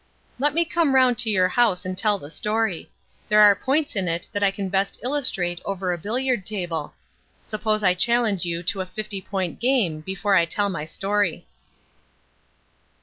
"Let me come round to your house and tell the story. There are points in it that I can best illustrate over a billiard table. Suppose I challenge you to a fifty point game before I tell my story."